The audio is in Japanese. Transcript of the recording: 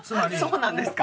そうなんですか？